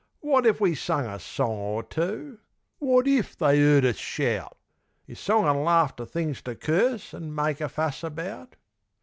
Wot if we sung a song or two? Wot it they 'eard us shout? Is song an' laughter things to curse An' make a fuss about?